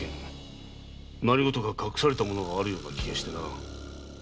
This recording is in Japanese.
何か隠されたものがあるような気がしてならぬ。